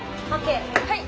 はい！